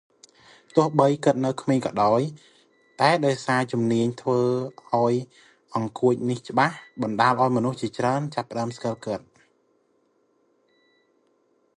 ទោះបីគាត់នៅក្មេងក៏ដោយ តែដោយសារមានជំនាញធ្វើអង្កួចនេះច្បាស់ បណ្តាលឱ្យមនុស្សជាច្រើនចាប់ផ្តើមស្គាល់គាត់។